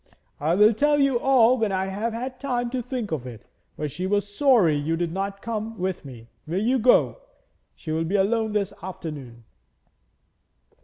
'I will tell you all when I have had time to think of it. But she was sorry you did not come with me. Will you go? She will be alone this afternoon.'